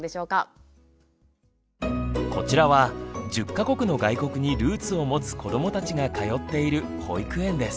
こちらは１０か国の外国にルーツを持つ子どもたちが通っている保育園です。